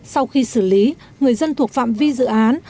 sau khi xử lý người dân thuộc phạm vi dự án